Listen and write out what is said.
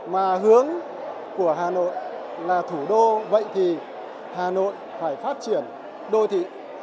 mà hướng của hà nội là thủ đô vậy thì hà nội phải phát triển đô thị